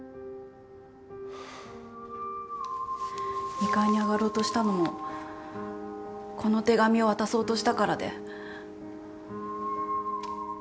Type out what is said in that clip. ２階に上がろうとしたのもこの手紙を渡そうとしたからで。